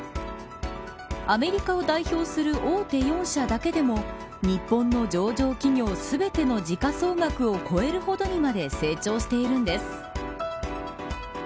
アメリカを代表する大手４社だけでも日本の上場企業全ての時価総額を超えるほどにまで成長しているんです。